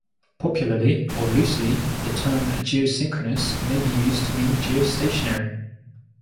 Popularly or loosely, the term "geosynchronous" may be used to mean geostationary.